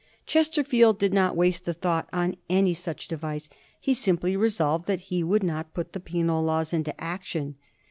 Chesterfield did not waste a thought on any such device. He simply resolved that he would not put the Penal Laws into action.